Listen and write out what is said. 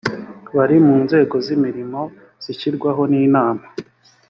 bari mu nzego z imirimo zishyirwaho n inama